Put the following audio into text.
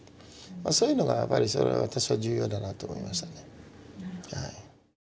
そういうのがやっぱり私は重要だなと思いましたね。